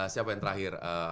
siapa yang terakhir